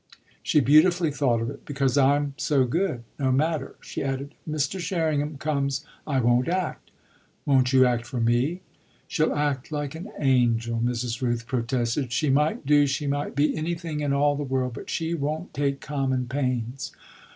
She beautifully thought of it. "Because I'm so good. No matter," she added, "if Mr. Sherringham comes I won't act." "Won't you act for me?" "She'll act like an angel," Mrs. Rooth protested. "She might do, she might be, anything in all the world; but she won't take common pains."